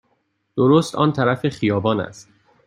درست آن طرف خیابان است.